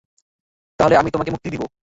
তাহলে আমি তোমাকে মুক্তি দিব।